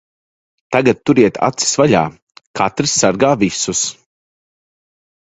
Tagad turiet acis vaļā. Katrs sargā visus.